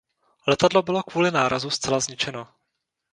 Letadlo bylo kvůli nárazu zcela zničeno.